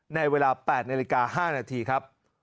ในเวลา๘นาฬิกา๕นาทีครับ